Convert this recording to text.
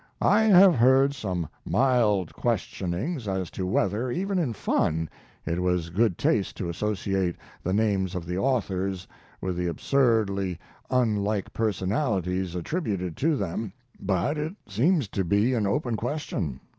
I have heard some mild questioning as to whether, even in fun, it was good taste to associate the names of the authors with the absurdly unlike personalities attributed to them, but it seems to be an open question.